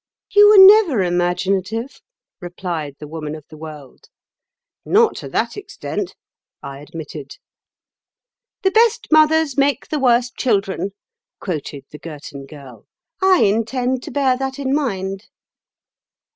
"You were never imaginative," replied the Woman of the World. "Not to that extent," I admitted. "'The best mothers make the worst children,'" quoted the Girton Girl. "I intend to bear that in mind."